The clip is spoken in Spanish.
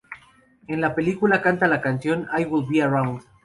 En la película canta la canción "I Will Be Around".